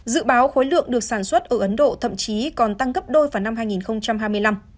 dự báo khối lượng được sản xuất ở ấn độ thậm chí còn tăng gấp đôi vào năm hai nghìn hai mươi năm